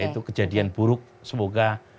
itu kejadian buruk semoga